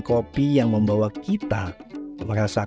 dari keindahan alam yang melimpah